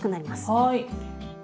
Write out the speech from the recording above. はい。